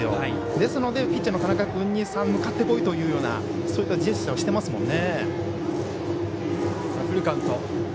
ですので、ピッチャーの田中君に、さあ向かってこいとそういったジェスチャーをしてますもんね。